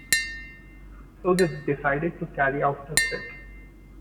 So they decided to carry out the threat.